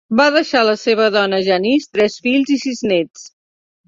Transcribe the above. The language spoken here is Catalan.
Va deixar la seva dona Janice, tres fills i sis nets.